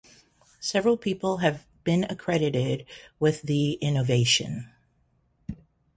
Several people have been credited with the innovation.